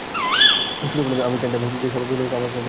ছোটবেলাতেও আমি চাইতাম যে সবাই আমার পছন্দের খেলাগুলোই খেলুক।